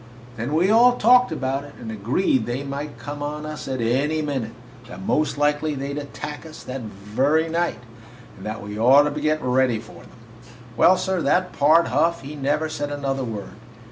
Then we all talked about it and agreed that they might come on us any minute, that most likely they 'd attack us that very night and that we ought to be ready for them. "Well, sir, that Pard Huff, he never said another word.